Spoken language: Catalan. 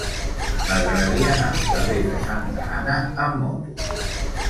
M'agradaria anar al carrer de Santa Anna amb moto.